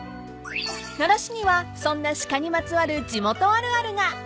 ［奈良市にはそんな鹿にまつわる地元あるあるが］